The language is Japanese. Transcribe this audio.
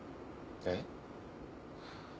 えっ？